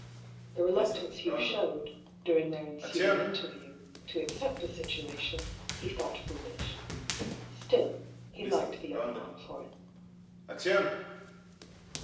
The reluctance Hugh showed, during their ensuing interview, to accept the situation, he thought foolish. Still, he liked the young man for it.